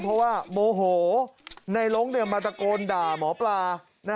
เพราะว่าโมโหในล้งมาตะโกนด่าหมอปลา